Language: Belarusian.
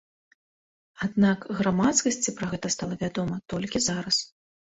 Аднак грамадскасці пра гэта стала вядома толькі зараз.